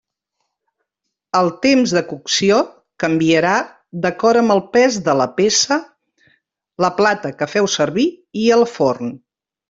El temps de cocció canviarà d'acord amb el pes de la peça, la plata que feu servir i el forn.